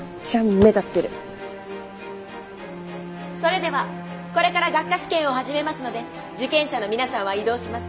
それではこれから学科試験を始めますので受験者の皆さんは移動します。